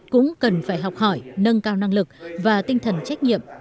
cũng cần phải học hỏi nâng cao năng lực và tinh thần trách nhiệm